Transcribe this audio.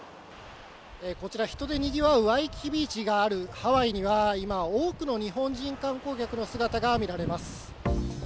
人でにぎわうワイキキビーチがあるハワイには今、多くの日本人観光客の姿が見られます。